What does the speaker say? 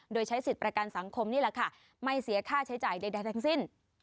โดยใช้สิทธิ์ประกันสังคมนี่แหละค่ะไม่เสียค่าใช้จ่ายใดทั้งสิ้น